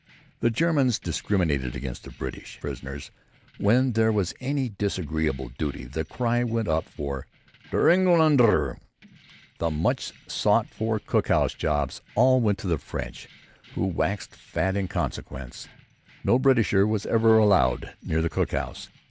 The Germans discriminated against the British prisoners. When there was any disagreeable duty; the cry went up for "der Engländer." The much sought for cookhouse jobs all went to the French, who waxed fat in consequence. No Britisher was ever allowed near the cookhouse.